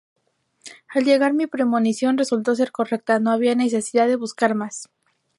Al llegar, mi premonición resultó ser correcta: no había necesidad de buscar más".